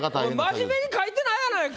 真面目に描いてないやないか！